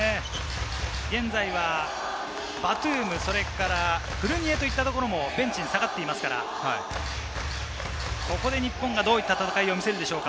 現在はバトゥーム、フルニエといったところもベンチに下がっていますから、ここで日本がどういった戦いを見せるでしょうか。